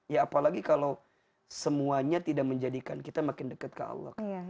ya apalagi kalau semuanya tidak menjadikan kita makin dekat ke allah